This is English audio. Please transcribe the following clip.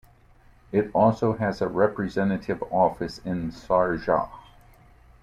It also has a representative office in Sharjah.